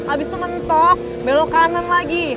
abis itu mentok belok kanan lagi